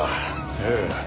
ええ。